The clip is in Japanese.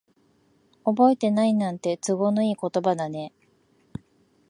覚えてないなんて、都合のいい言葉だね。